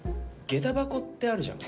げた箱ってあるじゃん。